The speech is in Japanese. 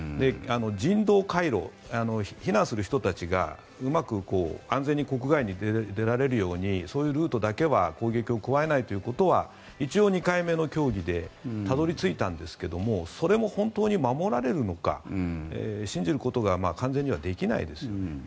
人道回廊避難する人たちがうまく安全に国外に出られるようにそういうルートだけは攻撃を加えないということは一応、２回目の協議でたどり着いたんですがそれも本当に守られるのか信じることが完全にはできないですよね。